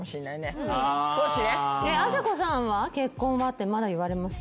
あさこさんは結婚は？ってまだ言われます？